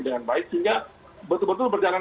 dengan baik sehingga betul betul berjalan